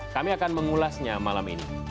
kami akan mengulasnya malam ini